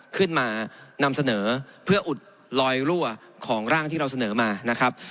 ขึ้นมานำเสนอเพื่ออุดลอยรั่วของร่างที่เราเสนอมานะครับ